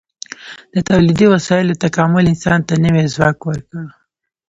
د تولیدي وسایلو تکامل انسان ته نوی ځواک ورکړ.